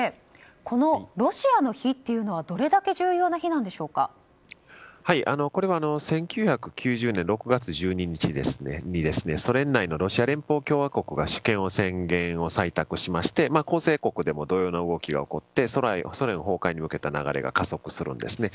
このロシアの日というのはこれは１９９０年６月１２日にソ連内のロシア連邦共和国が主権の宣言を採択しまして構成国でも同様の動きが起こってソ連崩壊に向けた動きが加速するんですね。